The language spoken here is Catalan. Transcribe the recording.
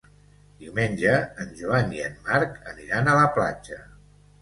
Diumenge en Joan i en Marc aniran a la platja.